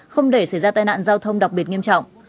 không để xảy ra tai nạn giao thông đặc biệt nghiêm trọng